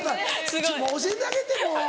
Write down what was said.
もう教えてあげてもう。